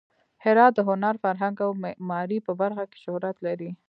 هرات د هنر، فرهنګ او معمارۍ په برخه کې شهرت لري.